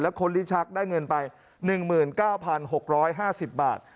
คนลิชักได้เงินไป๑๙๖๕๐บาท